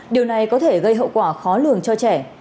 điều này có thể gây hậu quả khó lường cho trẻ